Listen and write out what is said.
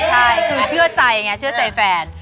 ใช่คือเชื่อใจไงเชื่อใจแฟน